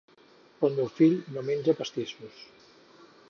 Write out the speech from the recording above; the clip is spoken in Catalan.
El meu fill no menja pastissos